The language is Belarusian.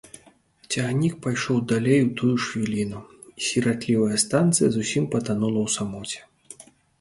Цягнік пайшоў далей у тую ж хвіліну, і сіратлівая станцыя зусім патанула ў самоце.